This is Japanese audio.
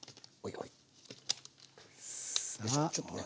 よいしょちょっとね